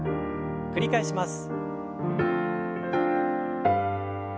繰り返します。